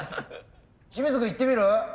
清水君いってみる？